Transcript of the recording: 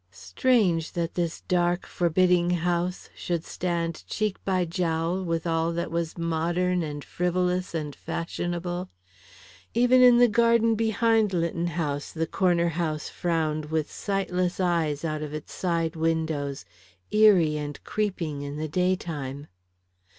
Strange that this dark, forbidding house should stand cheek by jowl with all that was modern and frivolous and fashionable. Even in the garden behind Lytton Avenue the corner house frowned with sightless eyes out of its side windows, eerie and creeping in the daytime.